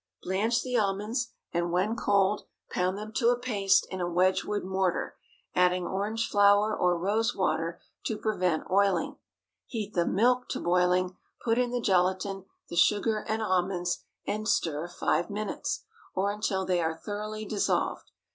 Blanch the almonds, and, when cold, pound them to a paste in a Wedgewood mortar, adding orange flower or rose water to prevent oiling. Heat the milk to boiling, put in the gelatine, the sugar and almonds, and stir five minutes, or until they are thoroughly dissolved.